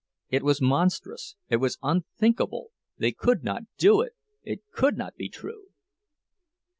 It was monstrous, it was unthinkable—they could not do it—it could not be true!